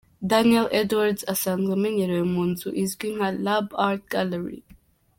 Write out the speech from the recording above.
Daniel Edwards asanzwe amenyerewe mu nzu izwi nka “Lab Art Gallery”.